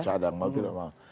suku cadang malah tidak mau